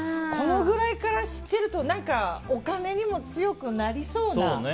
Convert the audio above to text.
このぐらいから知ってるとお金にも強くなりそうな。